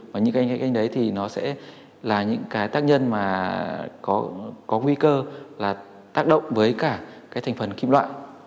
và những cái đấy thì nó sẽ là những cái tác nhân mà có nguy cơ là tác động với cả cái thành phần kim loại